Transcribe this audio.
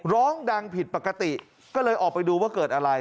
ร้องดังผิดปกติก็เลยออกไปดูว่าเกิดอะไร